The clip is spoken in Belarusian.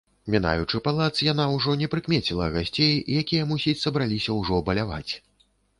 Мінаючы палац, яна ўжо не прыкмеціла гасцей, якія, мусіць, сабраліся ўжо баляваць.